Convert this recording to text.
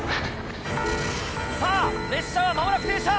・さぁ列車は間もなく停車。